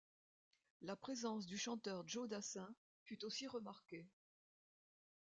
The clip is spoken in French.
La présence du chanteur Joe Dassin fut aussi remarquée.